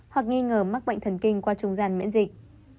hoặc nghi ngờ mắc bệnh thần kinh qua trung gian miễn dịch